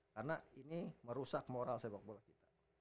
karena ini merusak moral sepak bola kita